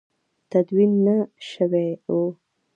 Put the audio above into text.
تدوین نه شوي وو.